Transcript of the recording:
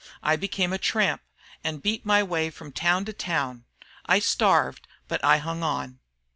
I became a tramp, and beat my way from town to town. I starved but I hung on."